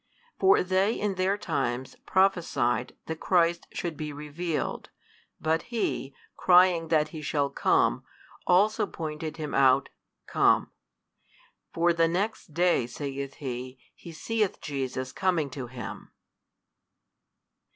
For they in their times prophesied that Christ should be revealed, but he, crying that He shall come, also pointed Him out come. For the next day, saith he, he seeth Jesus coming to him.